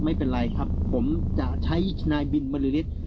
ไม่เป็นไรครับผมจะใช้นายบินบริษฐ์